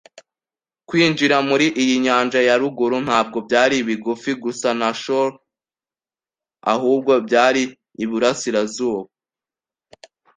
kwinjira muri iyi nyanja ya ruguru ntabwo byari bigufi gusa na shoal, ahubwo byari iburasirazuba